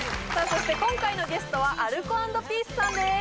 そして今回のゲストはアルコ＆ピースさんです